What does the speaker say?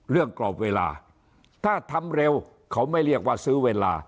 กรอบเวลาถ้าทำเร็วเขาไม่เรียกว่าซื้อเวลา